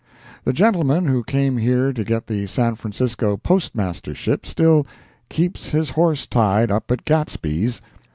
The gentleman who came here to get the San Francisco Postmastership still "keeps his horse tied up at Gadsby's."